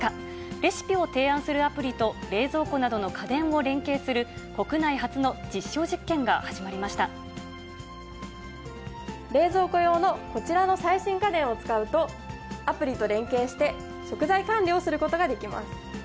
レシピを提案するアプリと、冷蔵庫などの家電を連携する、冷蔵庫用のこちらの最新家電を使うと、アプリと連携して、食材管理をすることができます。